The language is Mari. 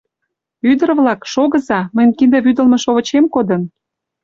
— Ӱдыр-влак, шогыза, мыйын кинде вӱдылмӧ шовычем кодын.